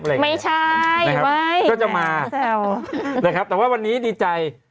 อะไรอย่างเงี้ยไม่ใช่ป้าจะจะมาแก้แนวต้องแปลอ่ะครับแต่ว่าวันนี้ดีใจ